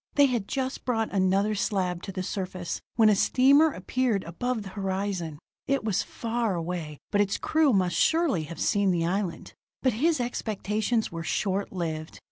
They had just brought another slab to the surface, when a steamer appeared above the horizon. It was far away, but its crew must surely have seen the island. But his expectations were short lived.